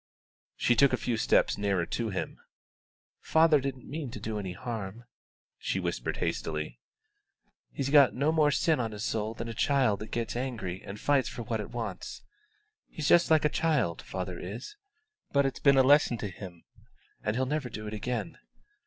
She took a few steps nearer to him. "Father didn't mean to do any harm," she whispered hastily; "he's got no more sin on his soul than a child that gets angry and fights for what it wants. He's just like a child, father is; but it's been a lesson to him, and he'll never do it again.